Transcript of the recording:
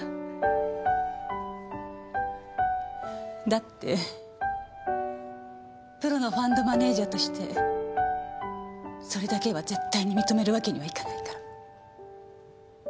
だってプロのファンドマネージャーとしてそれだけは絶対に認めるわけにはいかないから。